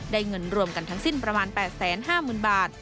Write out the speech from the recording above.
เงินรวมกันทั้งสิ้นประมาณ๘๕๐๐๐บาท